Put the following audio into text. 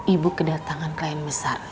ibu kedatangan klien besar